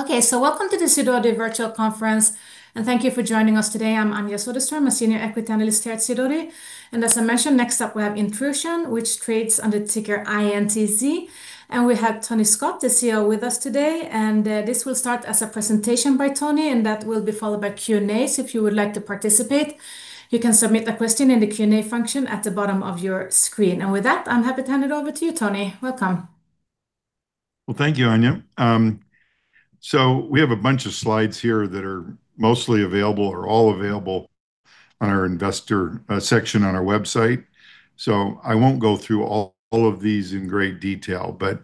Okay. Welcome to the Sidoti Virtual Conference, and thank you for joining us today. I'm Anja Soderstrom, a Senior Equity Analyst here at Sidoti. As I mentioned, next up we have Intrusion, which trades under ticker INTZ, and we have Tony Scott, the CEO with us today. This will start as a presentation by Tony, and that will be followed by Q&A. If you would like to participate, you can submit a question in the Q&A function at the bottom of your screen. With that, I'm happy to hand it over to you Tony. Welcome. Well, thank you, Anja. We have a bunch of slides here that are mostly available or all available on our investor section on our website. I won't go through all of these in great detail, but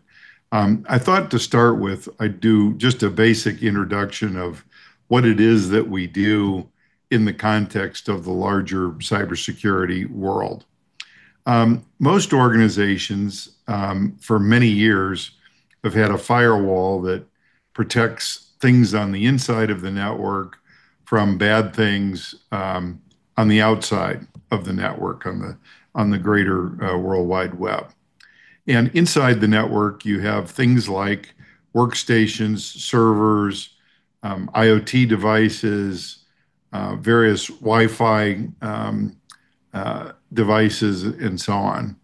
I thought to start with, I'd do just a basic introduction of what it is that we do in the context of the larger cybersecurity world. Most organizations, for many years have had a firewall that protects things on the inside of the network from bad things on the outside of the network, on the greater worldwide web. Inside the network, you have things like workstations, servers, IoT devices, various Wi-Fi devices, and so on.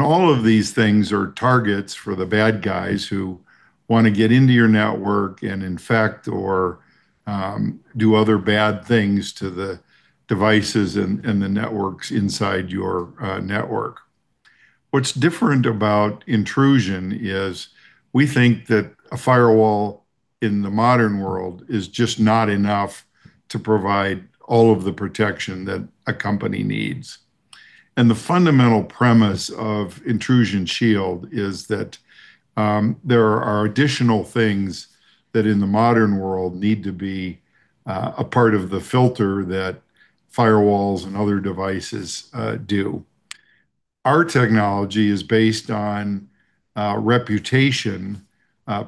All of these things are targets for the bad guys who want to get into your network and infect or do other bad things to the devices and the networks inside your network. What's different about Intrusion is we think that a firewall in the modern world is just not enough to provide all of the protection that a company needs. The fundamental premise of Intrusion Shield is that there are additional things that in the modern world need to be a part of the filter that firewalls and other devices do. Our technology is based on reputation,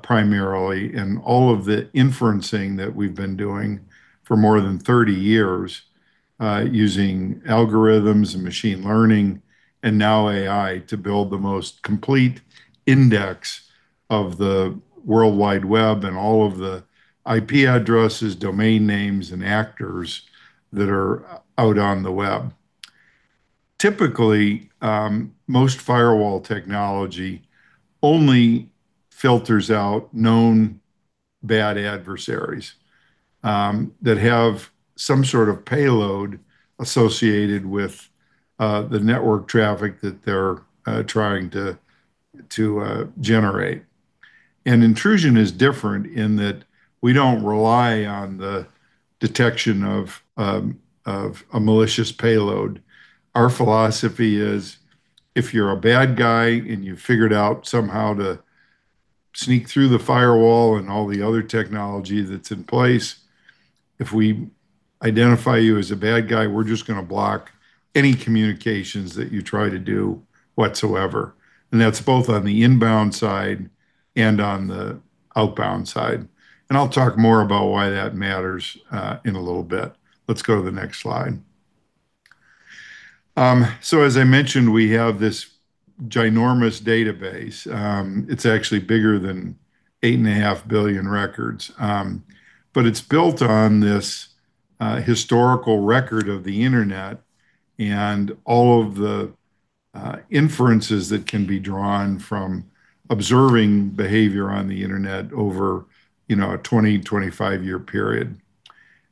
primarily in all of the inferencing that we've been doing for more than 30 years, using algorithms and machine learning, and now AI, to build the most complete index of the worldwide web and all of the IP addresses, domain names, and actors that are out on the web. Typically, most firewall technology only filters out known bad adversaries, that have some sort of payload associated with the network traffic that they're trying to generate. Intrusion is different in that we don't rely on the detection of a malicious payload. Our philosophy is if you're a bad guy and you've figured out somehow to sneak through the firewall and all the other technology that's in place, if we identify you as a bad guy, we're just going to block any communications that you try to do whatsoever. That's both on the inbound side and on the outbound side. I'll talk more about why that matters in a little bit. Let's go to the next slide. As I mentioned, we have this ginormous database. It's actually bigger than 8.5 billion records. It's built on this historical record of the internet and all of the inferences that can be drawn from observing behavior on the internet over a 20, 25-year period.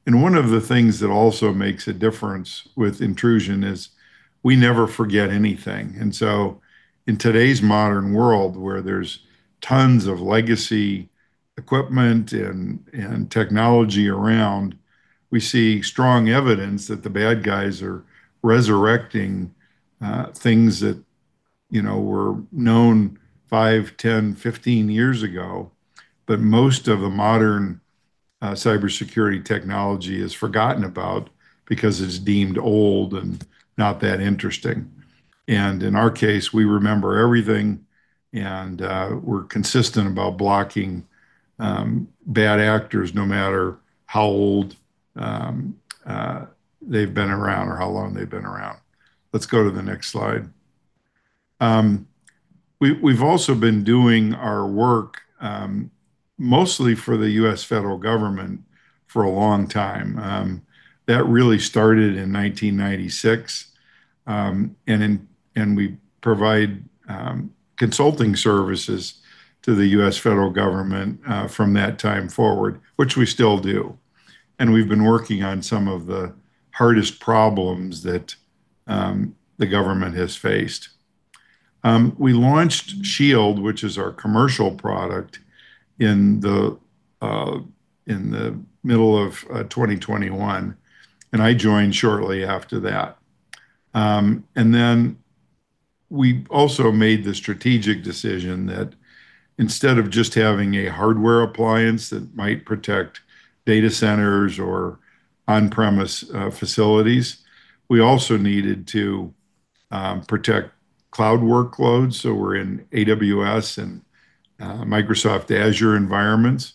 One of the things that also makes a difference with Intrusion is we never forget anything. In today's modern world, where there's tons of legacy equipment and technology around, we see strong evidence that the bad guys are resurrecting things that were known five, 10, 15 years ago. Most of the modern cybersecurity technology is forgotten about because it's deemed old and not that interesting. In our case, we remember everything and we're consistent about blocking bad actors, no matter how old they've been around or how long they've been around. Let's go to the next slide. We've also been doing our work, mostly for the U.S. federal government for a long time. That really started in 1996. We provide consulting services to the U.S. federal government, from that time forward, which we still do. We've been working on some of the hardest problems that the government has faced. We launched Shield, which is our commercial product, in the middle of 2021, and I joined shortly after that. Then we also made the strategic decision that instead of just having a hardware appliance that might protect data centers or on-premise facilities, we also needed to protect cloud workloads. We're in AWS and Microsoft Azure environments,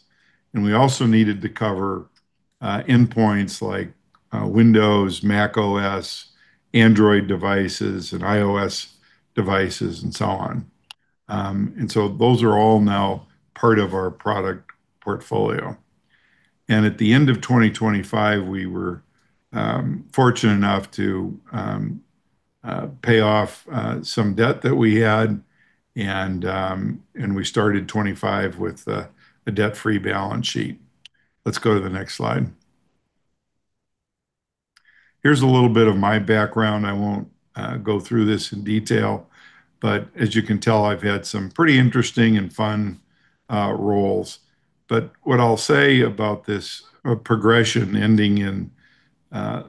and we also needed to cover endpoints like Windows, macOS, Android devices, and iOS devices, and so on. So those are all now part of our product portfolio. At the end of 2025, we were fortunate enough to pay off some debt that we had, and we started 2025 with a debt-free balance sheet. Let's go to the next slide. Here's a little bit of my background. I won't go through this in detail, but as you can tell, I've had some pretty interesting and fun roles. But what I'll say about this progression ending in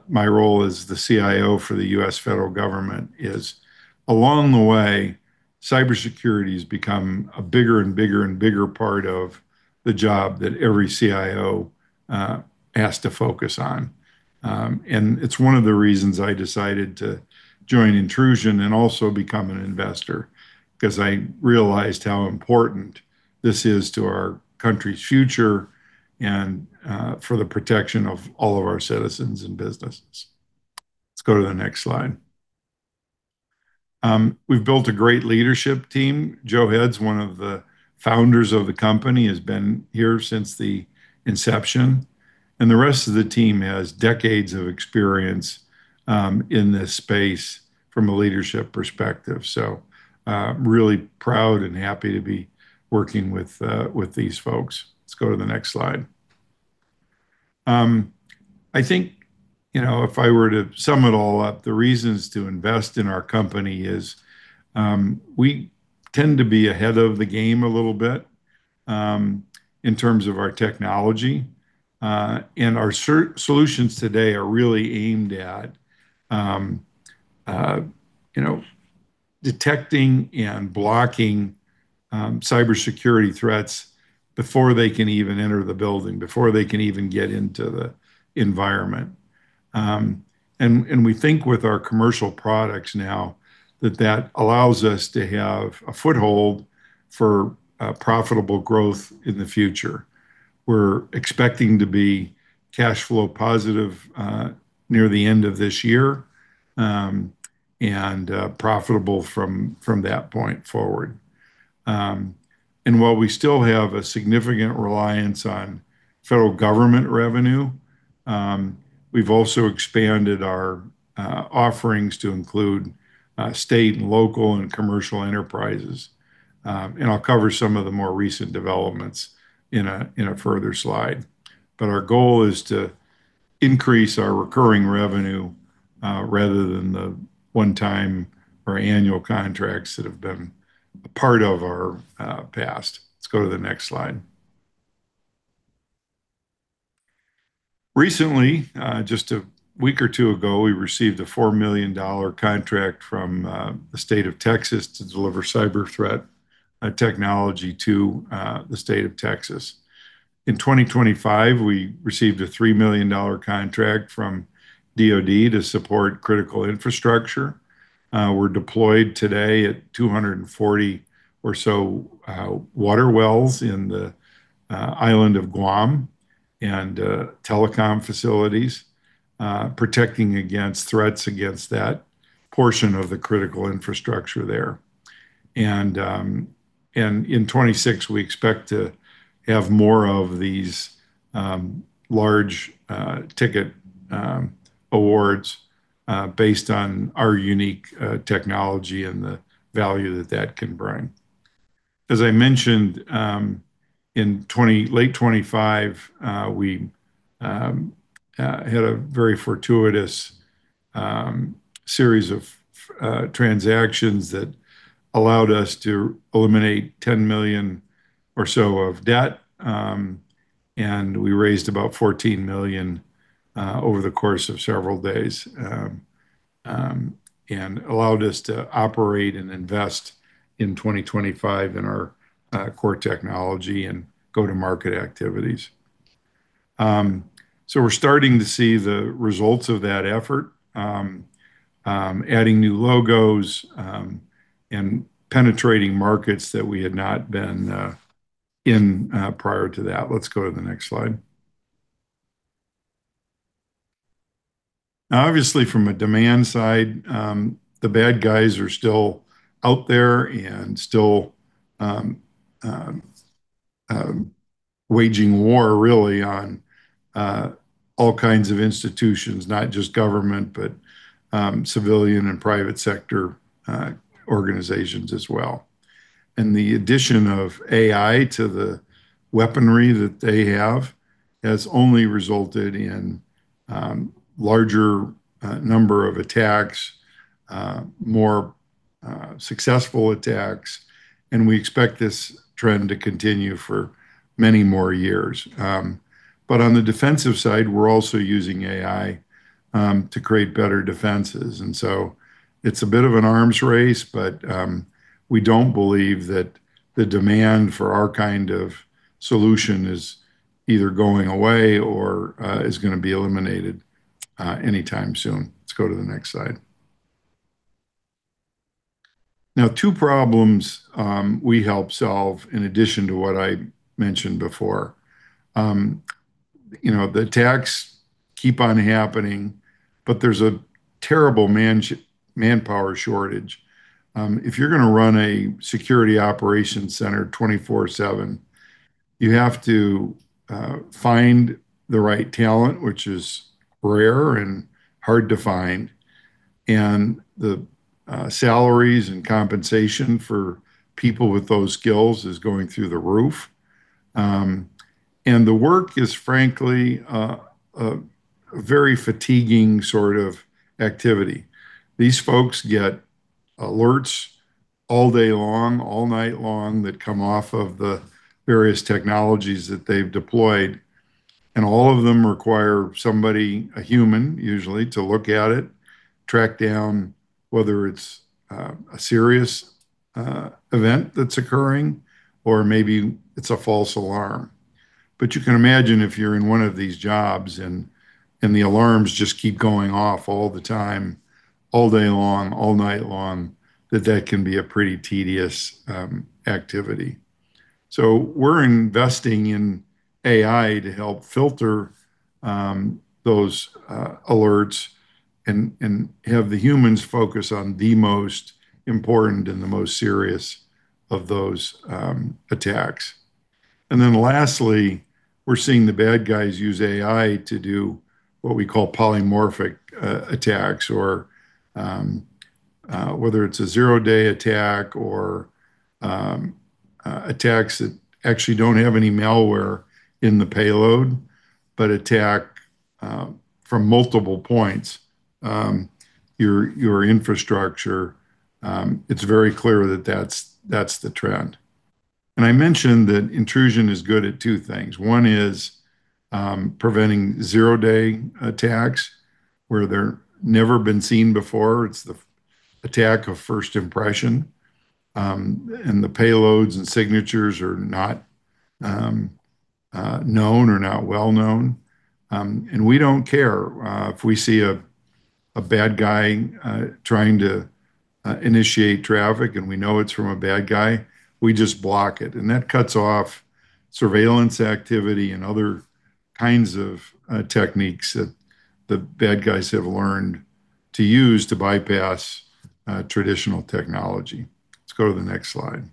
my role as the CIO for the U.S. federal government is, along the way, cybersecurity's become a bigger and bigger part of the job that every CIO has to focus on. It's one of the reasons I decided to join Intrusion and also become an investor, because I realized how important this is to our country's future and for the protection of all of our citizens and businesses. Let's go to the next slide. We've built a great leadership team. Joe Head's one of the Founders of the company, has been here since the inception, and the rest of the team has decades of experience in this space from a leadership perspective. Really proud and happy to be working with these folks. Let's go to the next slide. I think, if I were to sum it all up, the reasons to invest in our company is we tend to be ahead of the game a little bit, in terms of our technology. Our solutions today are really aimed at detecting and blocking cybersecurity threats before they can even enter the building, before they can even get into the environment. We think with our commercial products now, that allows us to have a foothold for profitable growth in the future. We're expecting to be cash flow positive, near the end of this year, and profitable from that point forward. While we still have a significant reliance on federal government revenue, we've also expanded our offerings to include state and local and commercial enterprises. I'll cover some of the more recent developments in a further slide. Our goal is to increase our recurring revenue, rather than the one-time or annual contracts that have been a part of our past. Let's go to the next slide. Recently, just a week or two ago, we received a $4 million contract from the state of Texas to deliver cyber threat technology to the state of Texas. In 2025, we received a $3 million contract from DoD to support critical infrastructure. We're deployed today at 240 or so water wells in the island of Guam and telecom facilities, protecting against threats against that portion of the critical infrastructure there. In 2026, we expect to have more of these large ticket awards, based on our unique technology and the value that that can bring. As I mentioned, in late 2025, we had a very fortuitous series of transactions that allowed us to eliminate $10 million or so of debt. We raised about $14 million over the course of several days, and allowed us to operate and invest in 2025 in our core technology and go-to-market activities. We're starting to see the results of that effort, adding new logos, and penetrating markets that we had not been in prior to that. Let's go to the next slide. Now, obviously from a demand side, the bad guys are still out there and still waging war really on all kinds of institutions, not just government, but civilian and private sector organizations as well. The addition of AI to the weaponry that they have has only resulted in larger number of attacks, more successful attacks, and we expect this trend to continue for many more years. On the defensive side, we're also using AI to create better defenses. It's a bit of an arms race, but we don't believe that the demand for our kind of solution is either going away or is going to be eliminated anytime soon. Let's go to the next slide. Now, two problems we help solve in addition to what I mentioned before. The attacks keep on happening, but there's a terrible manpower shortage. If you're going to run a security operation center 24/7, you have to find the right talent, which is rare and hard to find, and the salaries and compensation for people with those skills is going through the roof. The work is, frankly, a very fatiguing sort of activity. These folks get alerts all day long, all night long, that come off of the various technologies that they've deployed, and all of them require somebody, a human usually, to look at it, track down whether it's a serious event that's occurring, or maybe it's a false alarm. You can imagine if you're in one of these jobs and the alarms just keep going off all the time, all day long, all night long, that that can be a pretty tedious activity. We're investing in AI to help filter those alerts and have the humans focus on the most important and the most serious of those attacks. Lastly, we're seeing the bad guys use AI to do what we call polymorphic attacks, or whether it's a zero-day attack or attacks that actually don't have any malware in the payload, but attack from multiple points your infrastructure. It's very clear that that's the trend. I mentioned that Intrusion is good at two things. One is preventing zero-day attacks where they're never been seen before. It's the attack of first impression, the payloads and signatures are not known or not well-known. We don't care. If we see a bad guy trying to initiate traffic, we know it's from a bad guy, we just block it. That cuts off surveillance activity and other kinds of techniques that the bad guys have learned to use to bypass traditional technology. Let's go to the next slide.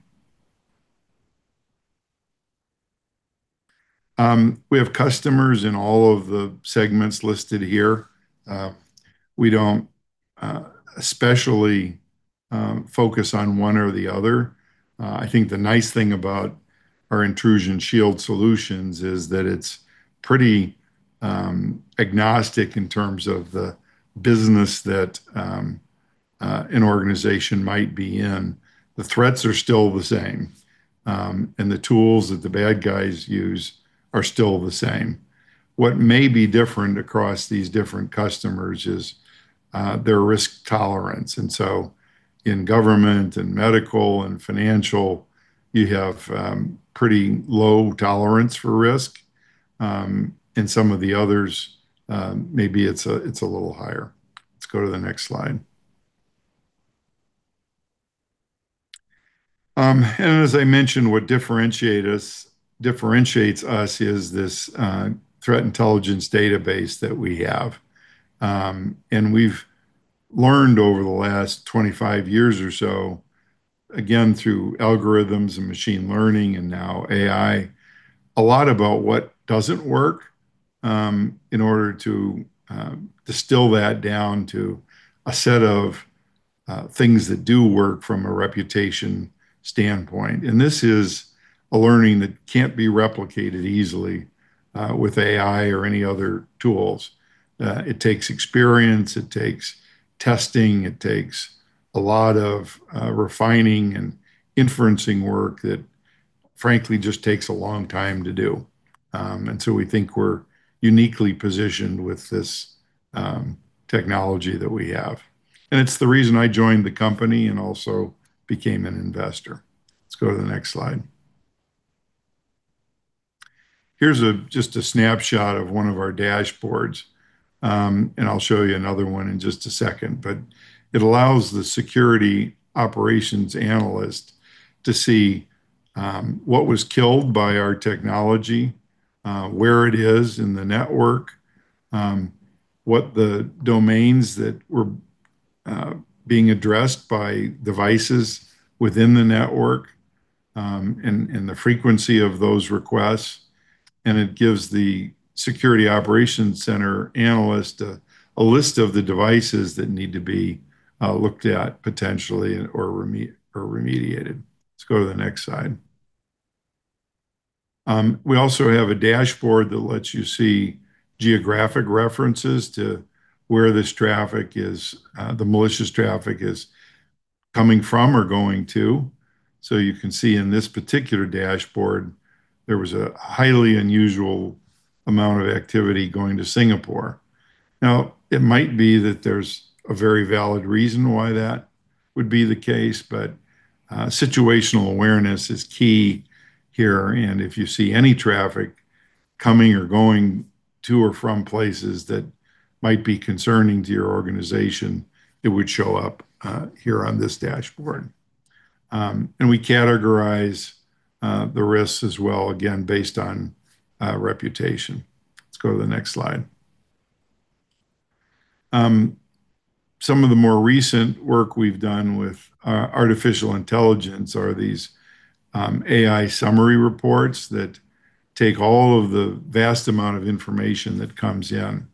We have customers in all of the segments listed here. We don't especially focus on one or the other. I think the nice thing about our Intrusion Shield solutions is that it's pretty agnostic in terms of the business that an organization might be in. The threats are still the same, the tools that the bad guys use are still the same. What may be different across these different customers is their risk tolerance. In government and medical and financial, you have pretty low tolerance for risk. In some of the others, maybe it's a little higher. Let's go to the next slide. As I mentioned, what differentiates us is this threat intelligence database that we have. We've learned over the last 25 years or so, again, through algorithms and machine learning and now AI, a lot about what doesn't work, in order to distill that down to a set of things that do work from a reputation standpoint. This is a learning that can't be replicated easily with AI or any other tools. It takes experience, it takes testing, it takes a lot of refining and inferencing work that, frankly, just takes a long time to do. We think we're uniquely positioned with this technology that we have, and it's the reason I joined the company and also became an investor. Let's go to the next slide. Here's just a snapshot of one of our dashboards, and I'll show you another one in just a second, but it allows the security operations analyst to see what was killed by our technology, where it is in the network, what the domains that were being addressed by devices within the network, and the frequency of those requests. It gives the security operations center analyst a list of the devices that need to be looked at potentially or remediated. Let's go to the next slide. We also have a dashboard that lets you see geographic references to where the malicious traffic is coming from or going to. You can see in this particular dashboard, there was a highly unusual amount of activity going to Singapore. Now, it might be that there's a very valid reason why that would be the case, but situational awareness is key here, and if you see any traffic coming or going to or from places that might be concerning to your organization, it would show up here on this dashboard. We categorize the risks as well, again, based on reputation. Let's go to the next slide. Some of the more recent work we've done with artificial intelligence are these AI summary reports that take all of the vast amount of information that comes in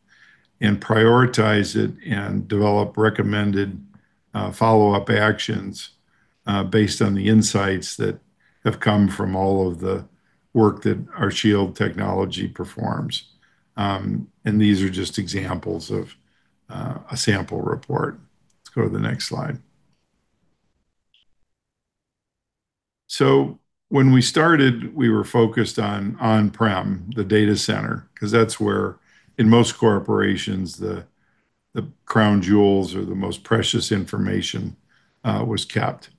and prioritize it, and develop recommended follow-up actions based on the insights that have come from all of the work that our Shield technology performs. These are just examples of a sample report. Let's go to the next slide. When we started, we were focused on on-prem, the data center, because that's where, in most corporations, the crown jewels or the most precious information was kept.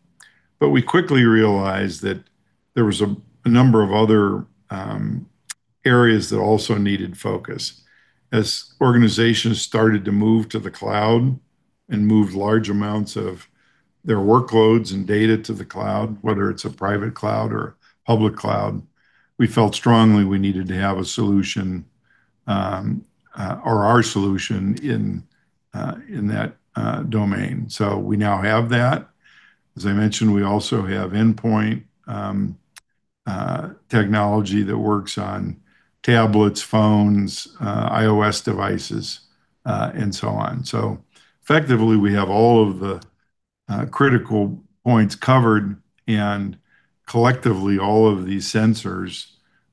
We quickly realized that there was a number of other areas that also needed focus. As organizations started to move to the cloud and moved large amounts of their workloads and data to the cloud, whether it's a private cloud or public cloud, we felt strongly we needed to have a solution, or our solution in that domain. We now have that. As I mentioned, we also have endpoint technology that works on tablets, phones, iOS devices, and so on. Effectively, we have all of the critical points covered and collectively, all of these sensors,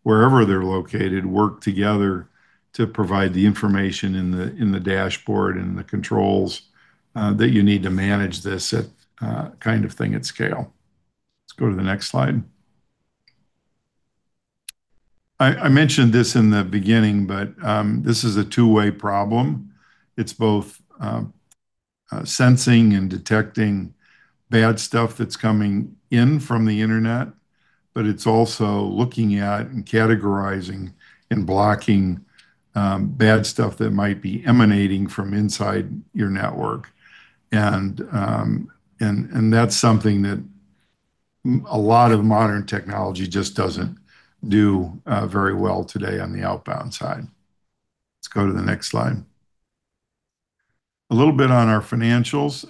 wherever they're located, work together to provide the information in the dashboard and the controls that you need to manage this kind of thing at scale. Let's go to the next slide. I mentioned this in the beginning, but this is a two-way problem. It's both sensing and detecting bad stuff that's coming in from the internet, but it's also looking at and categorizing and blocking bad stuff that might be emanating from inside your network. That's something that a lot of modern technology just doesn't do very well today on the outbound side. Let's go to the next slide. A little bit on our financials.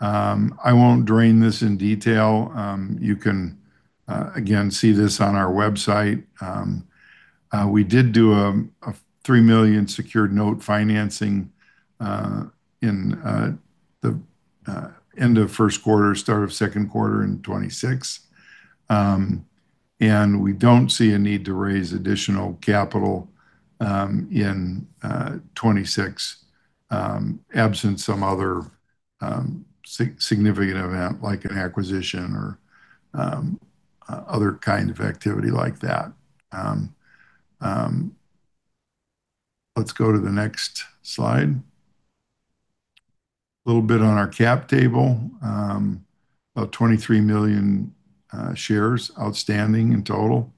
I won't drain this in detail. You can, again, see this on our website. We did do a $3 million secured note financing in the end of first quarter, start of second quarter in 2026. We don't see a need to raise additional capital in 2026, absent some other significant event like an acquisition or other kind of activity like that. Let's go to the next slide. A little bit on our cap table. About 23 million shares outstanding in total,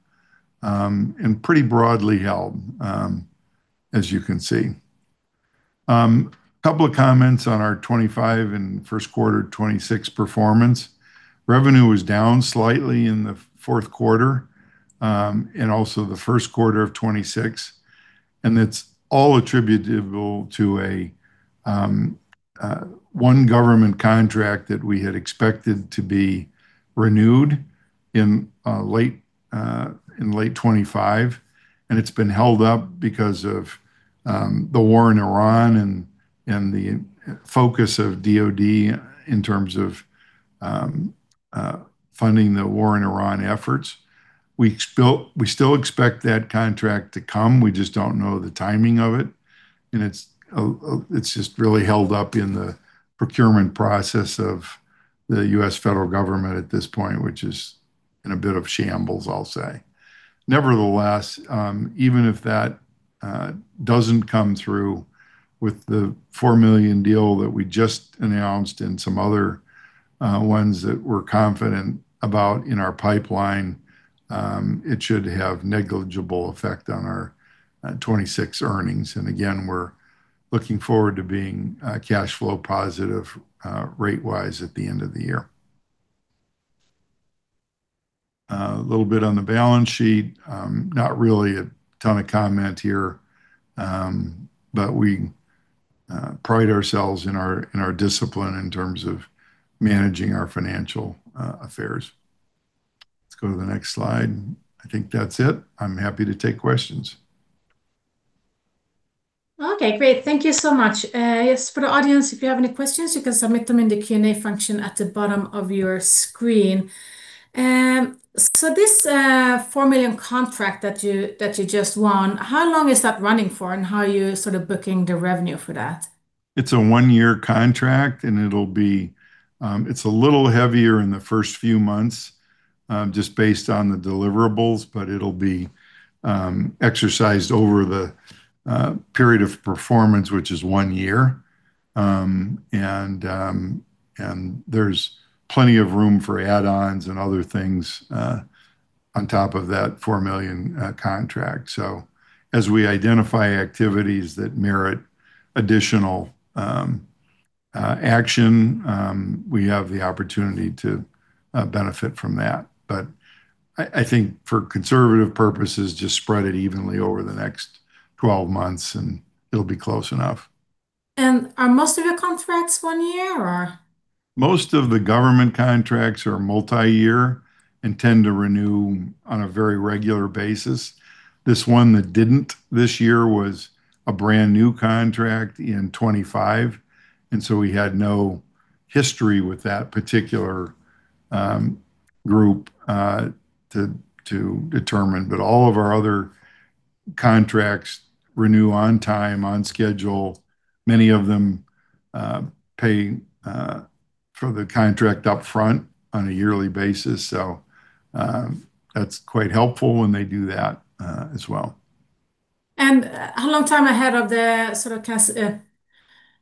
and pretty broadly held, as you can see. Couple of comments on our 2025 and first quarter 2026 performance. Revenue was down slightly in the fourth quarter, and also the first quarter of 2026, and it's all attributable to one government contract that we had expected to be renewed in late 2025, and it's been held up because of the war in Iran and the focus of DoD in terms of funding the war in Iran efforts. We still expect that contract to come. We just don't know the timing of it. It's just really held up in the procurement process of the U.S. federal government at this point, which is in a bit of shambles, I'll say. Nevertheless, even if that doesn't come through with the $4 million deal that we just announced and some other ones that we're confident about in our pipeline, it should have negligible effect on our 2026 earnings. Again, we're looking forward to being cash flow positive rate-wise at the end of the year. A little bit on the balance sheet. Not really a ton of comment here, but we pride ourselves in our discipline in terms of managing our financial affairs. Let's go to the next slide. I think that's it. I'm happy to take questions. Okay, great. Thank you so much. Yes, for the audience, if you have any questions, you can submit them in the Q&A function at the bottom of your screen. This $4 million contract that you just won, how long is that running for, and how are you sort of booking the revenue for that? It's a one-year contract, and it's a little heavier in the first few months, just based on the deliverables, but it'll be exercised over the period of performance, which is one year. There's plenty of room for add-ons and other things on top of that $4 million contract. As we identify activities that merit additional action, we have the opportunity to benefit from that. I think for conservative purposes, just spread it evenly over the next 12 months and it'll be close enough. Are most of your contracts one year or? Most of the government contracts are multi-year and tend to renew on a very regular basis. This one that didn't this year was a brand new contract in 2025, and so we had no history with that particular group to determine. All of our other contracts renew on time, on schedule, many of them pay for the contract upfront on a yearly basis. That's quite helpful when they do that as well. How long time ahead of the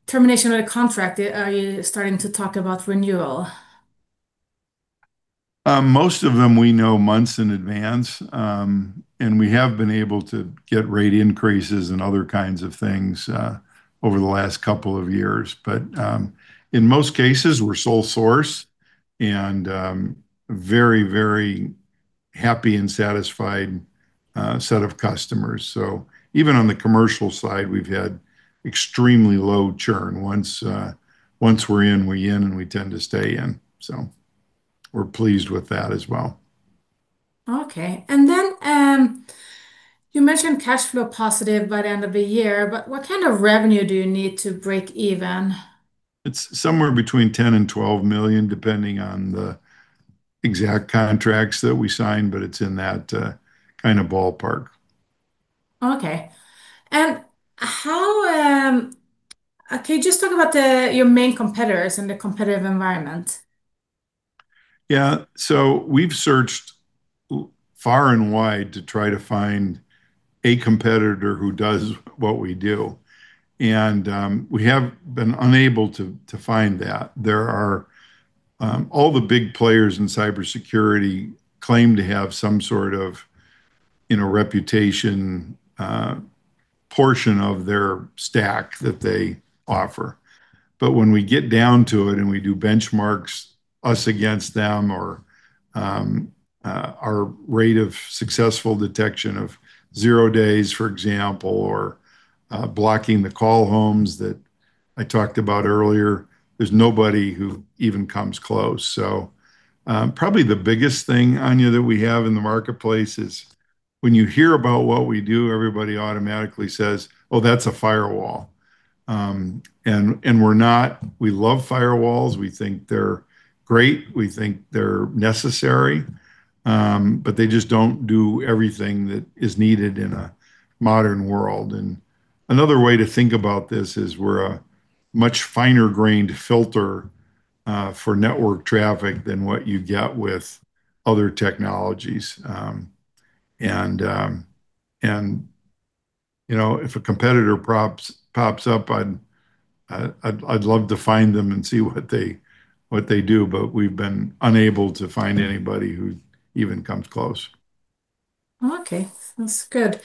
termination of the contract are you starting to talk about renewal? Most of them we know months in advance. We have been able to get rate increases and other kinds of things over the last couple of years. In most cases, we're sole source and very, very happy and satisfied set of customers. Even on the commercial side, we've had extremely low churn. Once we're in, we're in, and we tend to stay in. We're pleased with that as well. Okay. You mentioned cash flow positive by the end of the year, but what kind of revenue do you need to break even? It's somewhere between $10 million and $12 million, depending on the exact contracts that we sign, but it's in that kind of ballpark. Okay. Can you just talk about your main competitors and the competitive environment? Yeah. We've searched far and wide to try to find a competitor who does what we do, and we have been unable to find that. All the big players in cybersecurity claim to have some sort of reputation portion of their stack that they offer. When we get down to it and we do benchmarks, us against them, or our rate of successful detection of zero-day, for example, or blocking the call homes that I talked about earlier, there's nobody who even comes close. Probably the biggest thing, Anja, that we have in the marketplace is when you hear about what we do, everybody automatically says, "Oh, that's a firewall." We're not. We love firewalls. We think they're great. We think they're necessary. They just don't do everything that is needed in a modern world. Another way to think about this is we're a much finer-grained filter for network traffic than what you get with other technologies. If a competitor pops up, I'd love to find them and see what they do, but we've been unable to find anybody who even comes close. Okay. That's good.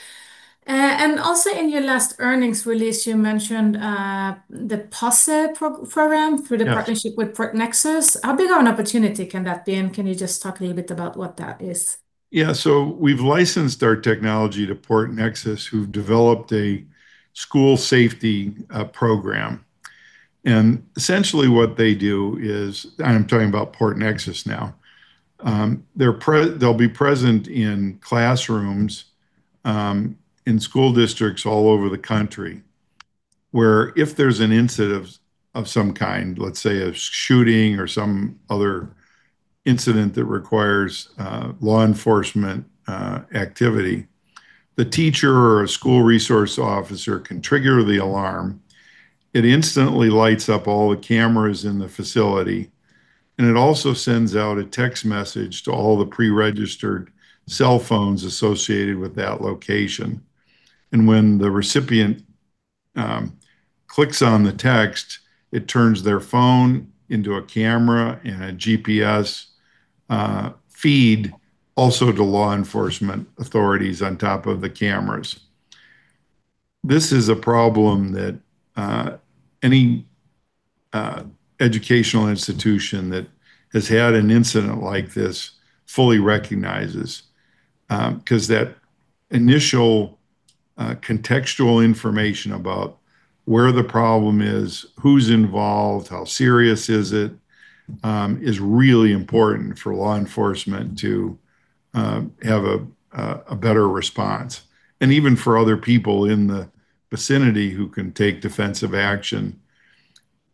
Also in your last earnings release, you mentioned the P.O.S.S.E. Program through- Yeah the partnership with PortNexus. How big of an opportunity can that be? Can you just talk a little bit about what that is? We've licensed our technology to PortNexus, who've developed a school safety program. Essentially what they do is, I'm talking about PortNexus now. They'll be present in classrooms, in school districts all over the country, where if there's an incident of some kind, let's say a shooting or some other incident that requires law enforcement activity, the teacher or a school resource officer can trigger the alarm. It instantly lights up all the cameras in the facility, and it also sends out a text message to all the pre-registered cell phones associated with that location. When the recipient clicks on the text, it turns their phone into a camera and a GPS feed also to law enforcement authorities on top of the cameras. This is a problem that any educational institution that has had an incident like this fully recognizes, because that initial contextual information about where the problem is, who's involved, how serious is it, is really important for law enforcement to have a better response. Even for other people in the vicinity who can take defensive action.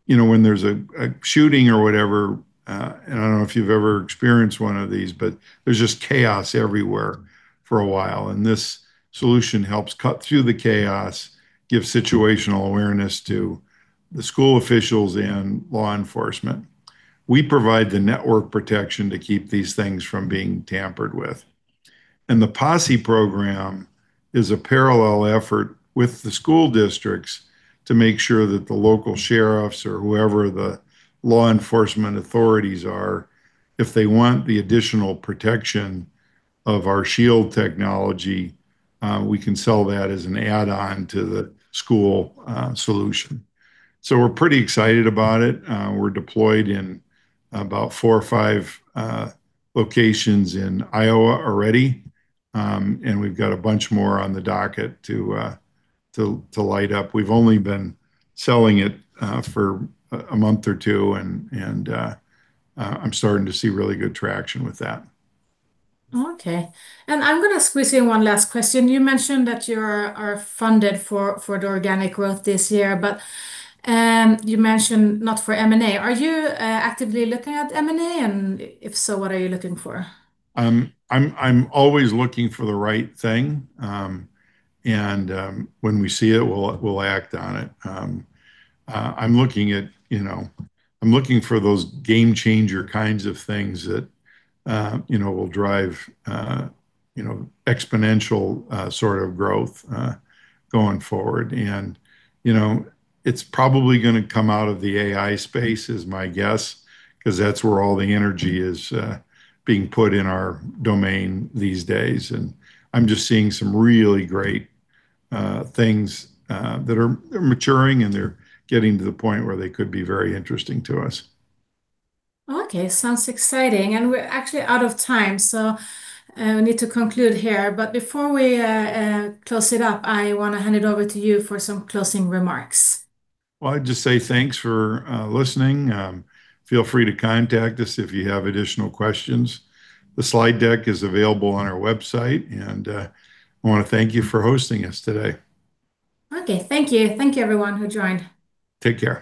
When there's a shooting or whatever, and I don't know if you've ever experienced one of these, but there's just chaos everywhere for a while. This solution helps cut through the chaos, give situational awareness to the school officials and law enforcement. We provide the network protection to keep these things from being tampered with. The P.O.S.S.E. Program is a parallel effort with the school districts to make sure that the local sheriffs or whoever the law enforcement authorities are, if they want the additional protection of our Shield technology, we can sell that as an add-on to the school solution. We're pretty excited about it. We're deployed in about four or five locations in Iowa already, and we've got a bunch more on the docket to light up. We've only been selling it for a month or two, and I'm starting to see really good traction with that. Okay. I'm going to squeeze in one last question. You mentioned that you are funded for the organic growth this year, but you mentioned not for M&A. Are you actively looking at M&A? If so, what are you looking for? I'm always looking for the right thing. When we see it, we'll act on it. I'm looking for those game changer kinds of things that will drive exponential sort of growth going forward. It's probably going to come out of the AI space is my guess, because that's where all the energy is being put in our domain these days, and I'm just seeing some really great things that are maturing, and they're getting to the point where they could be very interesting to us. Okay. Sounds exciting. We're actually out of time, so we need to conclude here. Before we close it up, I want to hand it over to you for some closing remarks. I'd just say thanks for listening. Feel free to contact us if you have additional questions. The slide deck is available on our website, and I want to thank you for hosting us today. Okay. Thank you. Thank you everyone who joined. Take care.